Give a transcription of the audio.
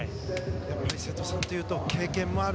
瀬戸さんというと経験もある。